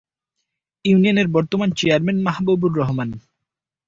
ইউনিয়নের বর্তমান চেয়ারম্যান মাহবুবুর রহমান।